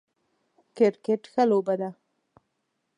کرکټ ښه لوبه ده